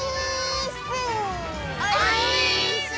オィーッス！